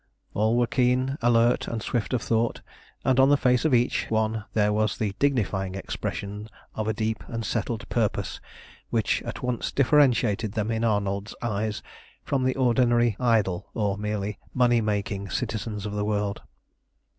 All were keen, alert, and swift of thought, and on the face of each one there was the dignifying expression of a deep and settled purpose which at once differentiated them in Arnold's eyes from the ordinary idle or merely money making citizens of the world.